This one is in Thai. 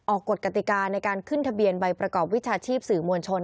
กฎกติกาในการขึ้นทะเบียนใบประกอบวิชาชีพสื่อมวลชน